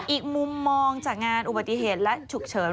อีกมุมมองจากงานอุบัติเหตุและฉุกเฉิน